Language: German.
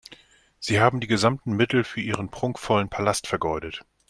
Sie haben die gesamten Mittel für Ihren prunkvollen Palast vergeudet.